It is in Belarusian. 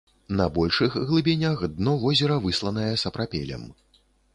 На большых глыбінях дно возера высланае сапрапелем.